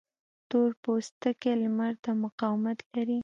تور پوستکی لمر ته مقاومت لري